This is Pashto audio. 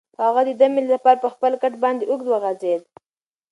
هغه د دمې لپاره په خپل کټ باندې اوږد وغځېد.